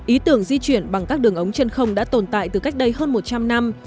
ý tưởng di chuyển bằng các đường ống trên không đã tồn tại từ cách đây hơn một trăm linh năm